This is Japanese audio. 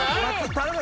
頼む